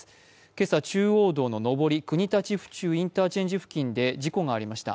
今朝、中央道の上り、国立府中インターチェンジ付近で事故がありました。